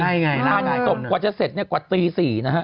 แง่อย่างงี้น่าน่าแบบศพกว่าจะเสร็จเนี่ยกว่าตีสี่นะฮะ